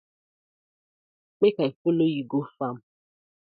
Mek I follo you go fam.